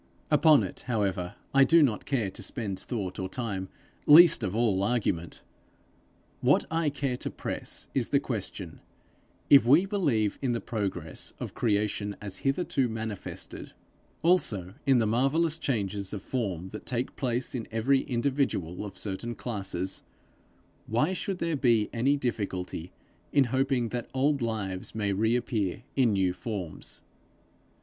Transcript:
Upon it, however, I do not care to spend thought or time, least of all argument; what I care to press is the question If we believe in the progress of creation as hitherto manifested, also in the marvellous changes of form that take place in every individual of certain classes, why should there be any difficulty in hoping that old lives may reappear in new forms?